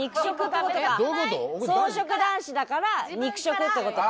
草食男子だから肉食って事か。